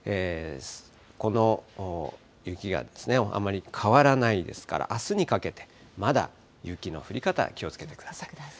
この雪があんまり変わらないですから、あすにかけて、まだ雪の降り方、気をつけてください。